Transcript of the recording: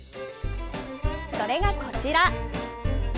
それが、こちら。